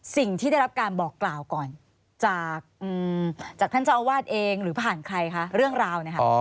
สิ่งที่ได้รับการบอกกล่าวก่อนจากท่านเจ้าอาวาสเองหรือผ่านใครคะเรื่องราวเนี่ยค่ะ